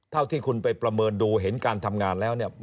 เท่าที่คุณไปประเมินดูเห็นการทำงานแล้วเนี่ย